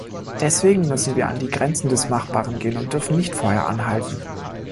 Deswegen müssen wir an die Grenzen des Machbaren gehen und dürfen nicht vorher anhalten.